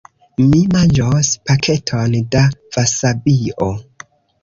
Mi manĝos paketon da vasabio.